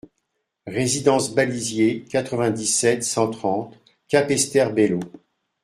Résidence Balisier, quatre-vingt-dix-sept, cent trente Capesterre-Belle-Eau